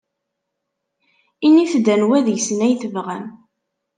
Init-d anwa deg-sen ay tebɣam.